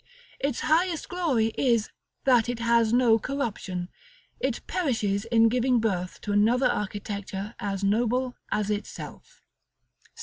Its highest glory is, that it has no corruption. It perishes in giving birth to another architecture as noble as itself.